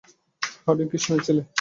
Hardinge খ্রিস্টানের ছেলে।